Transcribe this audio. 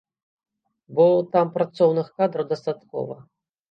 Бо там працоўных кадраў дастаткова.